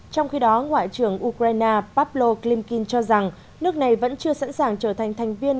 trong khi đó ngoại trưởng ukraine pablo klimkin cho rằng nước này vẫn chưa sẵn sàng trở thành thành viên